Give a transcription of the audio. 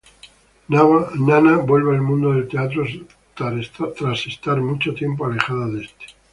Nana vuelve al mundo del teatro tras estar mucho tiempo alejada de este.